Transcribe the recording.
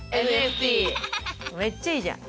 めっちゃいいじゃん！